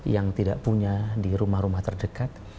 yang tidak punya di rumah rumah terdekat